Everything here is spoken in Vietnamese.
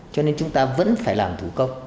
cho nên chúng ta vẫn phải làm thủ công